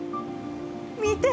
見て！